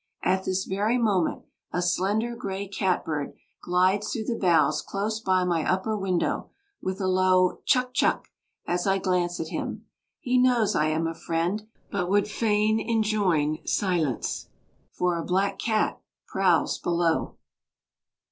At this very moment, a slender grey catbird glides through the boughs close by my upper window, with a low chuck, chuck! as I glance at him. He knows I am a friend, but would fain enjoin silence, for a black cat prowls below.